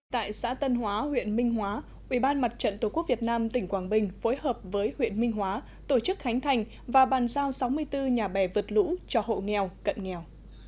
tại xã tân hóa huyện minh hóa ubndtqvn tỉnh quảng bình phối hợp với huyện minh hóa tổ chức khánh thành và bàn giao sáu mươi bốn nhà bè vượt lũ cho hộ nghèo cận nghèo